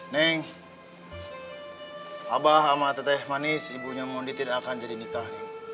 neng abah sama teteh manis ibunya mondi tidak akan jadi nikah